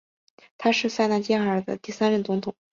他是塞内加尔的第三任总统。